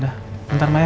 udah bentar mah ya